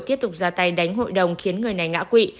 tiếp tục ra tay đánh hội đồng khiến người này ngã quỵ